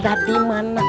ada di mana